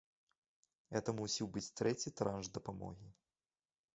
Гэта мусіў быць трэці транш дапамогі.